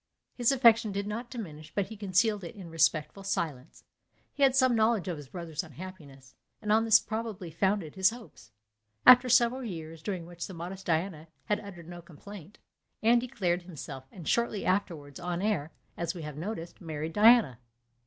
His affection did not diminish, but he concealed it in respectful silence. He had some knowledge of his brother's unhappiness, and on this probably founded his hopes. After several years, during which the modest Diana had uttered no complaint, Anne declared himself; and shortly afterwards Honoré, as we have noticed, married Diana.